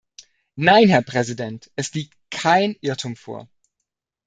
Nein, Herr Präsident, es liegt kein Irrtum vor.